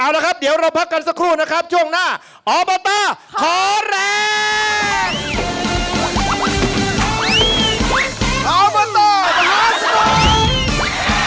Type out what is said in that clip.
เอาละครับเดี๋ยวเราพักกันสักครู่นะครับช่วงหน้าอบตขอแรง